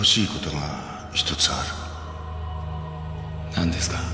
何ですか？